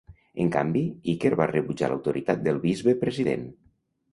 En canvi, Iker va rebutjar l'autoritat del bisbe president.